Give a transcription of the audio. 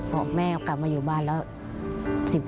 บอกแม่กลับมาอยู่บ้านแล้ว